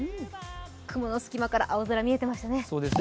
雲の隙間から青空見えていましたね。